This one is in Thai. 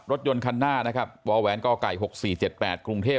รถยนต์คันหน้านะครับวหก๖๔๗๘กรุงเทพฯอค